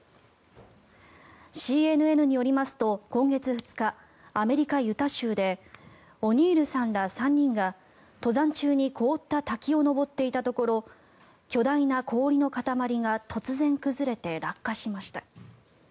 ＣＮＮによりますと今月２日、アメリカ・ユタ州でオニールさんら３人が登山中に凍った滝を登っていたところ巨大な氷の塊が突然崩れて、落下しました。